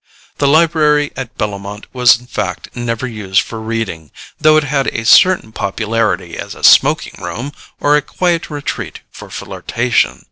The library at Bellomont was in fact never used for reading, though it had a certain popularity as a smoking room or a quiet retreat for flirtation.